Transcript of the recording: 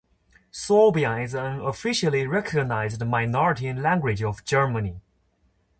Sorbian is an officially recognized minority language of Germany.